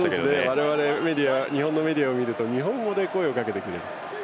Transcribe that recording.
我々、日本のメディアを見ると日本語で声をかけてくれる。